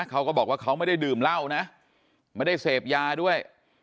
เขาก็บอกว่าเขาไม่ได้ดื่มเหล้านะไม่ได้เสพยาด้วย